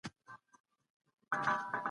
په دغي برخي کي يوازي يوه لاره پاته ده.